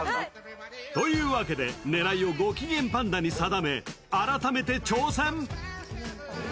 というわけで狙いをごきげんぱんだに定め改めて挑戦。